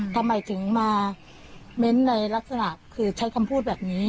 ทำไมถึงมาเม้นต์ในลักษณะคือใช้คำพูดแบบนี้